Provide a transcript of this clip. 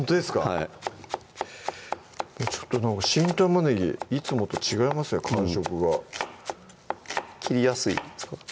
はいちょっとなんか新玉ねぎいつもと違いますよ感触が切りやすいですか？